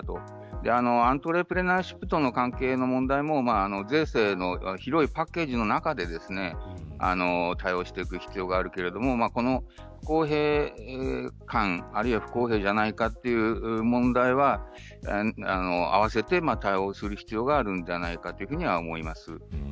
アントレプレナーシップとの関係の問題も税制の広いパッケージの中で対応していく必要がありますが不公平感あるいは不公平じゃないかという問題は併せて対応する必要があると思います。